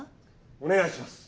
お願いします。